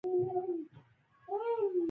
د لمر وپښوته توی کړي